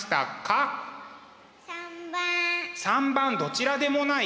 ３番どちらでもない。